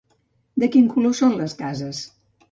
De quin color són les cases?